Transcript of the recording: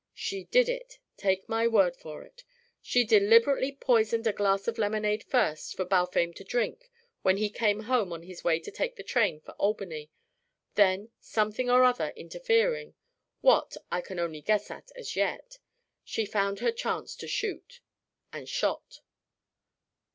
She did it, take my word for it. She deliberately poisoned a glass of lemonade first, for Balfame to drink when he came home on his way to take the train for Albany. Then, something or other interfering what, I can only guess at as yet she found her chance to shoot, and shot."